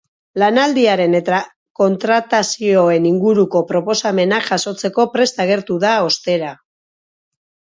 Lanaldiaren eta kontratazioen inguruko proposamenak jasotzeko prest agertu da, ostera.